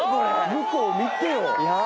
向こう見てよ。